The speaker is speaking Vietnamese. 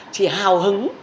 chỉ hào hứng